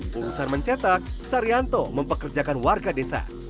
urusan mencetak saryanto mempekerjakan warga desa